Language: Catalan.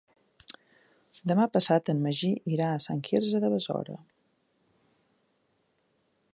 Demà passat en Magí irà a Sant Quirze de Besora.